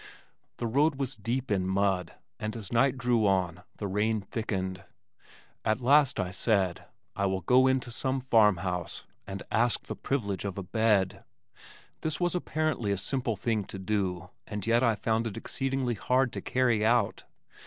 The road was deep in mud, and as night drew on the rain thickened. At last I said, "I will go into some farm house and ask the privilege of a bed." This was apparently a simple thing to do and yet I found it exceedingly hard to carry out.